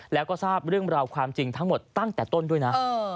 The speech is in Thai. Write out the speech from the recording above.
แล้วก็ทราบเรื่องราวความจริงทั้งหมดตั้งแต่ต้นด้วยนะ